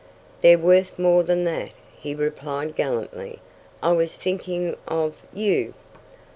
"They're worth more than that," he replied gallantly. "I was thinking of you."